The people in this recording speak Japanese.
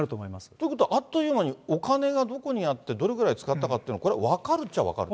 ということはあっという間に、お金がどこにあって、どれぐらい使ったかっていうのは、これ、分かるっちゃ分かる？